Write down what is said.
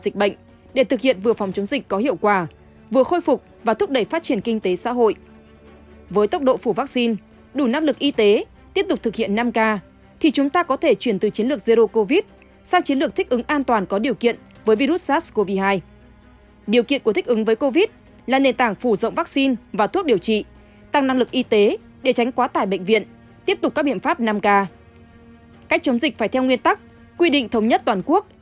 cách chống dịch phải theo nguyên tắc quy định thống nhất toàn quốc